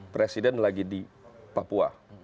presiden lagi di papua